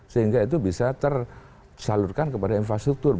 sehingga itu bisa tersalurkan kepada infrastruktur